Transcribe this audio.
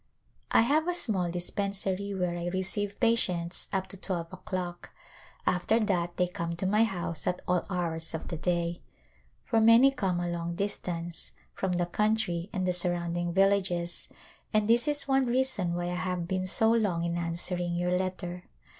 I have a small dispensary where I receive patients up to twelve o'clock; after that they come to my house at all hours of the day, for many come a long distance, from the country and the surrounding villages, and this is one reason why I have been so long in answer ing your letter.